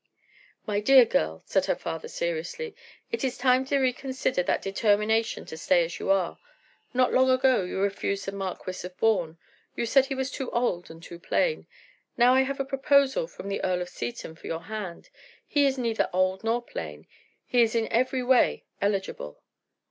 "My dear girl," said her father, seriously, "it is time to reconsider that determination to stay as you are. Not long ago you refused the Marquis of Bourne. You said he was too old and too plain. Now I have a proposal from the Earl of Seaton for your hand. He is neither old nor plain; he is in every way eligible."